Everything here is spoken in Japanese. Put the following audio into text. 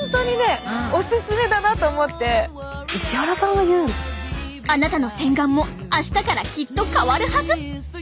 何よりもあなたの洗顔も明日からきっと変わるはず。